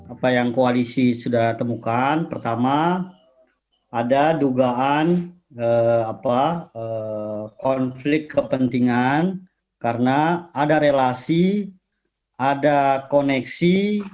apa yang koalisi sudah temukan pertama ada dugaan konflik kepentingan karena ada relasi ada koneksi